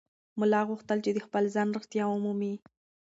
ملا غوښتل چې د خپل ځان رښتیا ومومي.